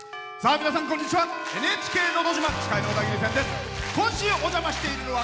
皆さん、こんにちは。